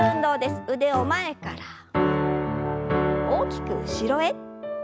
腕を前から大きく後ろへ。